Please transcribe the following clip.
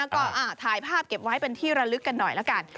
ก็ถ่ายภาพเก็บไว้เป็นที่ระลึกกันหน่อยละกัน